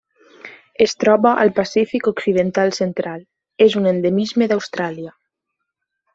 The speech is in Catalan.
Es troba al Pacífic occidental central: és un endemisme d'Austràlia.